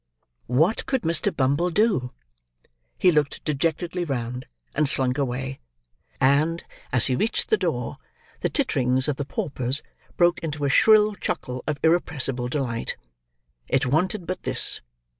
What could Mr. Bumble do? He looked dejectedly round, and slunk away; and, as he reached the door, the titterings of the paupers broke into a shrill chuckle of irrepressible delight. It wanted but this.